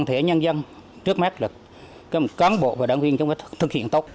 cân thể nhân dân trước mát lực cân bộ và đồng viên trong khi thực hiện tốt